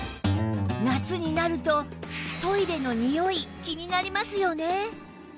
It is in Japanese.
夏になるとトイレのにおい気になりますよね